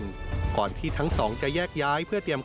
การพบกันในวันนี้ปิดท้ายด้วยการรับประทานอาหารค่ำร่วมกัน